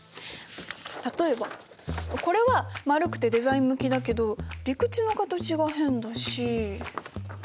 例えばこれは丸くてデザイン向きだけど陸地の形が変だし。